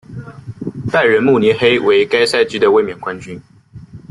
拜仁慕尼黑为该赛季的卫冕冠军。